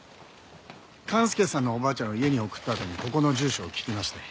勘介さんのおばあちゃんを家に送ったあとにここの住所を聞きまして。